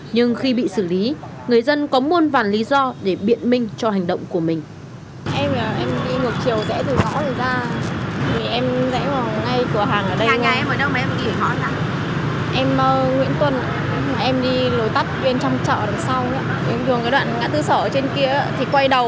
nhưng khi bị xử lý người dân có muôn vàn lý do để biện minh cho hành động của mình